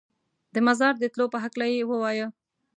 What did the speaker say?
د مزار د تلو په هکله یې ووایه.